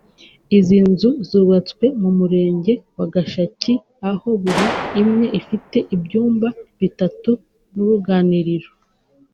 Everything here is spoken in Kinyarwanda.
Izi nzu zubatswe mu Murenge wa Gashaki aho buri imwe ifite ibyumba bitatu n’uruganiriro